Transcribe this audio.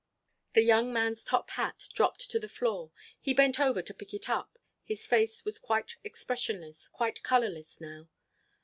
The young man's top hat dropped to the floor. He bent over to pick it up. His face was quite expressionless, quite colourless, now.